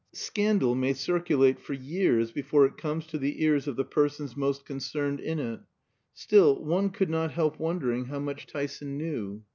Scandal may circulate for years before it comes to the ears of the persons most concerned in it; still, one could not help wondering how much Tyson knew.